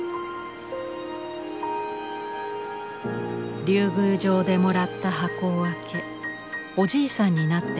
竜宮城でもらった箱を開けおじいさんになってしまった浦島太郎。